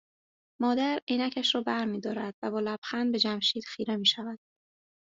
مادر عینکش را برمیدارد و با لبخند به جمشید خیره می شود